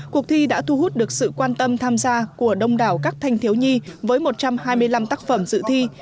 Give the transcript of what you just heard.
cuộc thi đã thu hút được sự quan tâm tham gia của đông đảo các thanh thiếu nhi với một trăm hai mươi năm tác phẩm dự thi